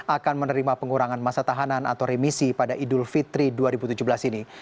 akan menerima pengurangan masa tahanan atau remisi pada idul fitri dua ribu tujuh belas ini